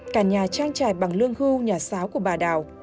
cả nhà trang trải bằng lương hưu nhà giáo của bà đào